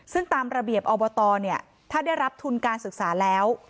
ซึ่งตามระเบียบอบตเนี่ยถ้าได้รับทุนการศึกษาแล้ว